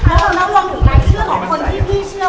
คือคือมันเหมือนตรงนี้สำหรับอย่างนี้ก่อนอย่างนี้ก่อน